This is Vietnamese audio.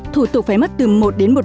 thủ tục phải mất từ một đến một năm năm